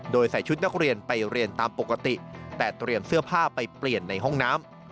โดยใส่ชุดนักเรียนไปเรียนตามปกติแต่เตรียมเสื้อผ้าไปเปลี่ยนในห้องน้ำ